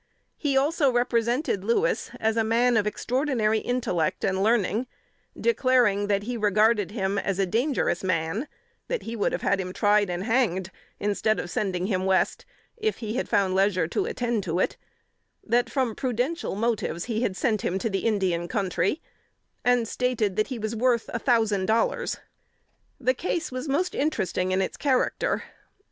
He also represented Louis as a man of extraordinary intellect and learning, declaring that he regarded him as a dangerous man; that he would have had him tried and hanged, instead of sending him West, if he had found leisure to attend to it; that from prudential motives he had sent him to the Indian country; and stated that he was worth a thousand dollars. The case was most interesting in its character.